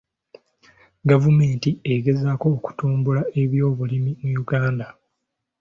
Gavumenti egezaako okutumbula ebyobulimi mu Uganda.